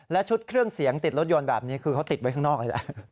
และชุดเครื่องเสียงติดรถยนต์แบบนี้คือเขาติดไว้ข้างนอกเลยแหละ